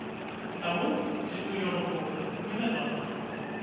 Таму, ці быў ён увогуле, не вядома.